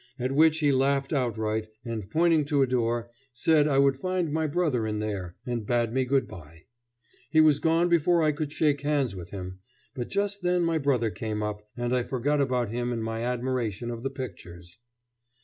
At which he laughed outright, and, pointing to a door, said I would find my brother in there, and bade me good by. He was gone before I could shake hands with him; but just then my brother came up, and I forgot about him in my admiration of the pictures.